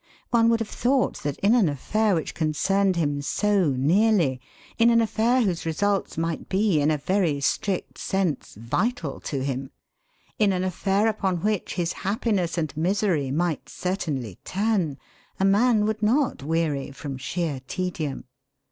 One would have thought that in an affair which concerned him so nearly, in an affair whose results might be in a very strict sense vital to him, in an affair upon which his happiness and misery might certainly turn, a man would not weary from sheer tedium.